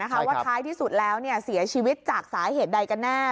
ว่าท้ายที่สุดแล้วเสียชีวิตจากสาเหตุใดกันแน่